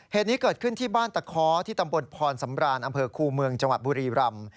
เหตุนี้เกิดขึ้นที่บ้านตะค้อที่ตำบลพรสำรานอำเภอคูเมืองจังหวัดบุรีรำ